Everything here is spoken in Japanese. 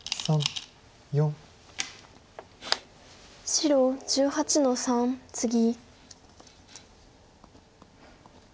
白１８の三ツギ。